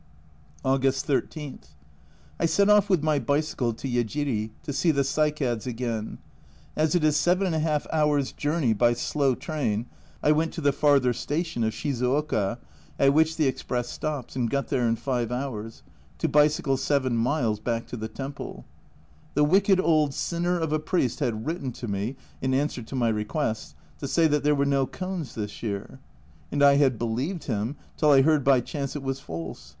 August 13. I set off with my bicycle to Yejiri to see the cycads again. As it is "j\ hours' journey by slow train, I went to the farther station of Shizuoka, at which the express stops, and got there in five hours, to bicycle 7 miles back to the temple. The wicked old sinner of a priest had written to me, in answer to my requests, to say that there were no cones this year, and I had believed him till I heard by chance it was false.